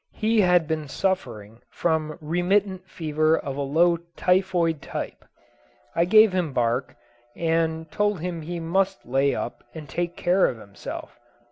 He had been suffering from remittent fever of a low typhoid type. I gave him bark, and told him he must lay up and take care of himself.